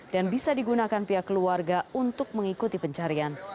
dan bisa digunakan pihak keluarga untuk mengikuti pencarian